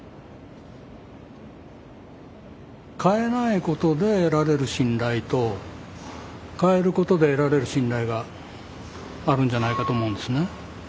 変えないことで得られる信頼と変えることで得られる信頼があるんじゃないかと思うんですね。